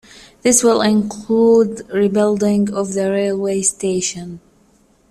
This will include rebuilding of the railway station.